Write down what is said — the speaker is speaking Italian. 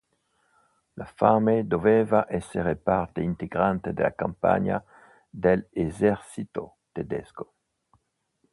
La fame doveva essere parte integrante della campagna dell'esercito tedesco.